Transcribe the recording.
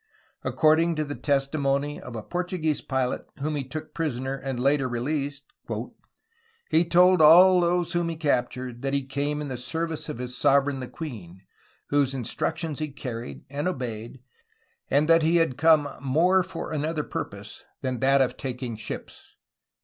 Accord ing to the testimony of a Portuguese pilot whom he took prisoner and later released : "He told all those whom he captured ... that he came in the service of his sovereign the queen, whose instructions he carried and obeyed, and that he had come more for another purpose than that of taking ships."